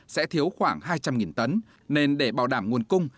sẽ thiếu khoảng hai trăm linh tấn nên để bảo đảm nguồn cung